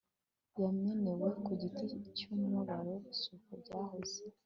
yamenewe ku giti cy umubabaro suko byahoze